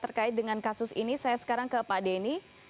terkait dengan kasus ini saya sekarang ke pak denny